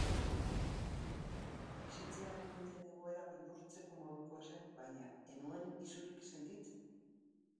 Bizitzen ari nintzen egoera beldurtzeko modukoa zen, baina ez nuen izurik sentitzen.